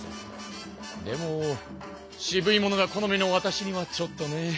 でも渋いものが好みのわたしにはちょっとね。